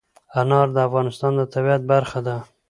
انار د افغانستان د طبیعت برخه ده.